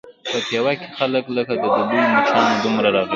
په پېوه کې خلک لکه د دوبي مچانو دومره راغلي وو.